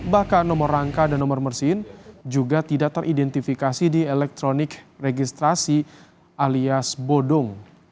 bahkan nomor rangka dan nomor mesin juga tidak teridentifikasi di elektronik registrasi alias bodong